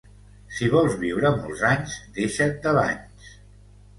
Si vols viure molts anys, deixa't de banys.